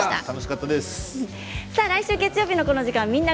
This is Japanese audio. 来週月曜日のこの時間は「みんな！